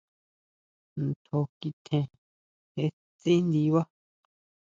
Tjon kikjen, jee tsí ndibá.